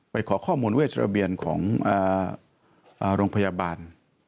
ขอข้อมูลเวชระเบียนของโรงพยาบาล